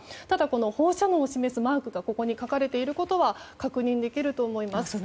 ただ、放射能を示すマークが書かれていることは確認できると思います。